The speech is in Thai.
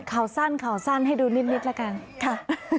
ข่าวสั้นให้ดูนิดละกันค่ะ